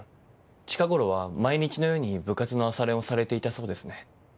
近頃は毎日のように部活の朝練をされていたそうですね。